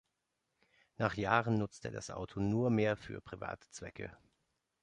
Nach Jahren nutzt er das Auto nur mehr für private Zwecke.